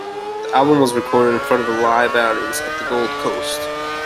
The album was recorded in front of a live audience at the Gold Coast.